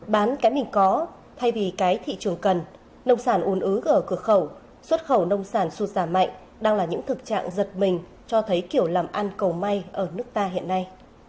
bán cái mình có thay vì cái thị trường cần nông sản ùn ứ ở cửa khẩu xuất khẩu nông sản sụt giảm mạnh đang là những thực trạng giật mình cho thấy kiểu làm ăn cầu may ở nước ta hiện nay